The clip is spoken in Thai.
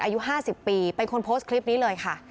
อายุ๕๐ปีเป็นคนโพสต์คลิปนี้เลยค่ะ